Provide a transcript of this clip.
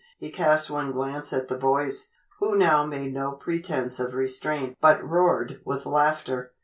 He cast one glance at the boys, who now made no pretence of restraint but roared with laughter.